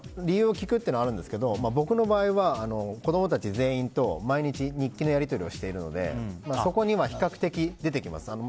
理由を聞くというのはあるんですけど僕の場合は子供たち全員と毎日、日記のやり取りをしているのでそこには比較的、出てきます。